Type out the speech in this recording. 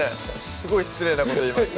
すごい失礼なこと言いました